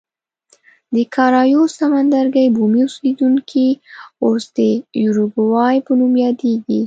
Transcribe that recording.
د کارایوس سمندرګي بومي اوسېدونکي اوس د یوروګوای په نوم یادېږي.